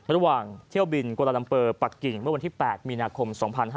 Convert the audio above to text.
ระหว่างเที่ยวบินกวาลาลัมเปอร์ปักกิ่งเมื่อวันที่๘มีนาคม๒๕๕๙